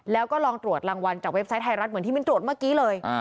แล้วก็ลองตรวจรางวัลจากเว็บไซต์ไทยรัฐเหมือนที่มิ้นตรวจเมื่อกี้เลย